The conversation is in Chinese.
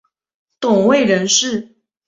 董槐人士。